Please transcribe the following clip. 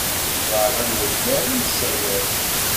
Beṛṛa n unnar i nesserwat.